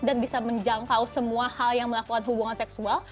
dan bisa menjangkau semua hal yang melakukan hubungan seksual